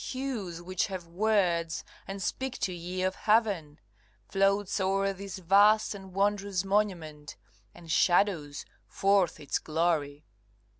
Hues which have words, and speak to ye of heaven, Floats o'er this vast and wondrous monument, And shadows forth its glory.